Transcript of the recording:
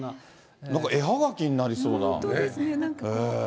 絵はがきになりそうな。